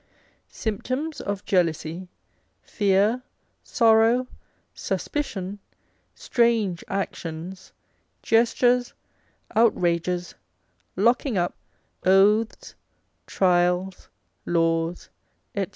_Symptoms of Jealousy, Fear, Sorrow, Suspicion, strange Actions, Gestures, Outrages, Locking up, Oaths, Trials, Laws, &c.